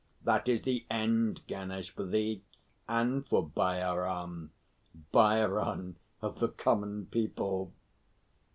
That is the end, Ganesh, for thee, and for Bhairon Bhairon of the Common People."